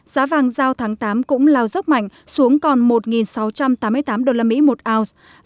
giá vàng giao tháng tám cũng lao dốc mạnh xuống còn một sáu trăm tám mươi tám usd một ounce